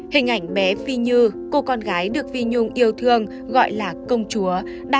hình ảnh bé phi như cô con gái được phi nhung yêu thương gọi là công chúa